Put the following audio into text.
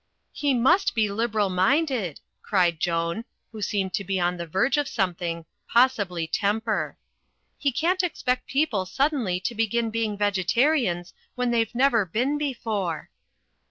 "He must be liberal minded," cried Joan, who seemed to be on the verge of something, possibly tem per. "He can't expect people suddenly to begin being Vegetarians when they've never been before."